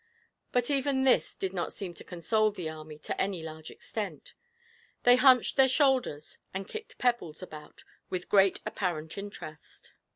But even this did not seem to console the army to any large extent; they hunched their shoulders and kicked pebbles about with great apparent interest.